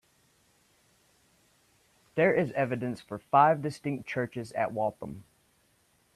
There is evidence for five distinct churches at Waltham.